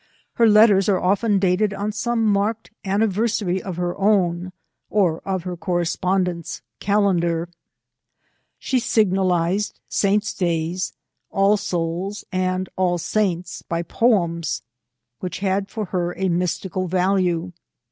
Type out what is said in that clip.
Her letters are often dated on some marked anni versary of her own, or of her correspondent's calendar. She signalized saints^ days, " All Souls,^^ and '^ All Saints,'^ by poems, which had AECANA. 295 for her a mystical value.